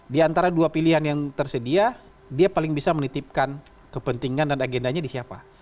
di antara dua pilihan yang tersedia dia paling bisa menitipkan kepentingan dan agendanya di siapa